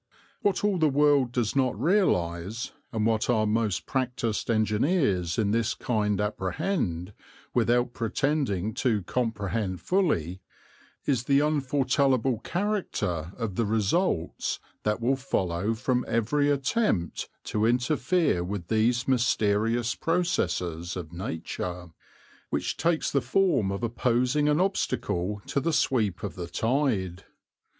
What all the world does not realize, and what our most practised engineers in this kind apprehend, without pretending to comprehend fully, is the unforetellable character of the results that will follow from every attempt to interfere with these mysterious processes of nature which takes the form of opposing an obstacle to the sweep of the tide.